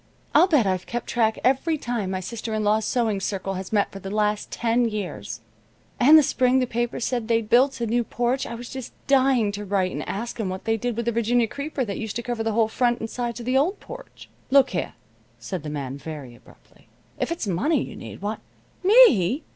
I'll bet I've kept track every time my sister in law's sewing circle has met for the last ten years, and the spring the paper said they built a new porch I was just dying to write and ask'em what they did with the Virginia creeper that used to cover the whole front and sides of the old porch." "Look here," said the man, very abruptly, "if it's money you need, why " "Me!